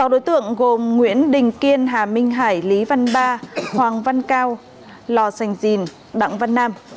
sáu đối tượng gồm nguyễn đình kiên hà minh hải lý văn ba hoàng văn cao lò sành dìn đặng văn nam